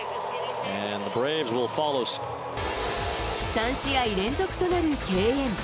３試合連続となる敬遠。